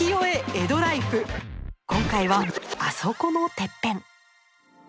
今回はあそこのてっぺん。